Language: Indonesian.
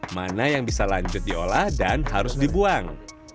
mana yang bisa lanjut diolah dan harus dibuang